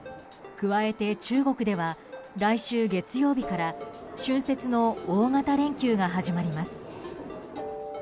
加えて中国では来週月曜日から春節の大型連休が始まります。